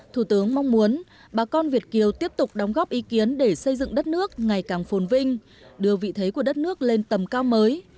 thủ tướng mong muốn bà con việt kiều tiếp tục đóng góp ý kiến để xây dựng đất nước ngày càng phồn vinh đưa vị thế của đất nước lên tầm cao mới